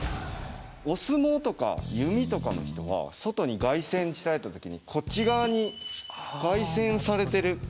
お相撲とか弓とかの人は外に外旋したいって時にこっち側に外旋されてる。